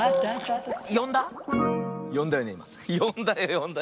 よんだ？